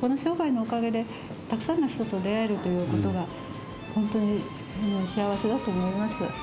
この商売のおかげで、たくさんの人と出会えるということが、本当に幸せだと思います。